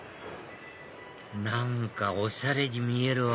何かおしゃれに見えるわ